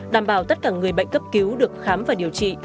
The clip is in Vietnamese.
đảm bảo tất cả người bệnh cấp cứu được khám và điều trị